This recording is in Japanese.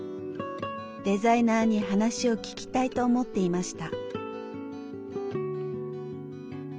デザイナーに話を聞きたいと思っていました。